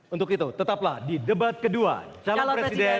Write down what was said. untuk itu tetaplah di debat kedua calon presiden dua ribu sembilan belas